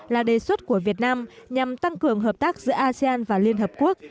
là đề xuất của việt nam nhằm tăng cường hợp tác giữa asean và liên hợp quốc